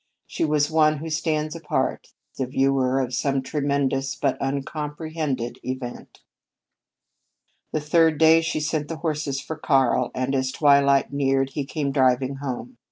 She was as one who stands apart, the viewer of some tremendous but uncomprehended event. The third day she sent the horses for Karl, and as twilight neared, he came driving home.